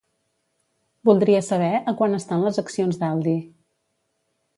Voldria saber a quant estan les accions d'Aldi.